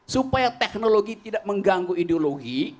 supaya teknologi tidak mengganggu ideologi